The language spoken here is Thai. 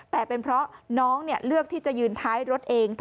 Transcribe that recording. แต่เป็นเพราะน้องเลือกที่จะยืนท้ายรถเอง